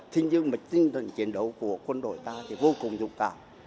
nhưng tinh thần chiến đấu của quân đội ta thì vô cùng dũng cảm